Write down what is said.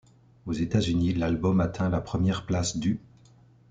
Aux États-Unis, l'album atteint la première place du '.